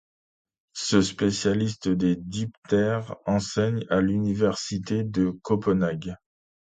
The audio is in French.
Ce spécialiste des diptères enseigne à l’université de Copenhague.